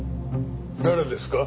誰ですか？